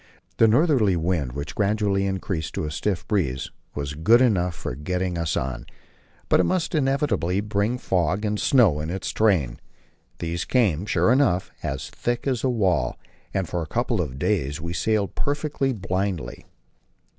The northerly wind, which gradually increased to a stiff breeze, was good enough for getting us on, but it must inevitably bring fog and snow in its train. These came, sure enough, as thick as a wall, and for a couple of days we sailed perfectly blindly.